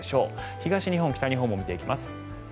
東日本、北日本も見ていきます。